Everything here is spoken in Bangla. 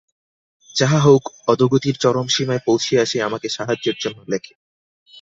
যাহা হউক, অধোগতির চরম সীমায় পৌঁছিয়া সে আমাকে সাহায্যের জন্য লেখে।